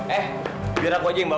eh biar aku aja yang bawa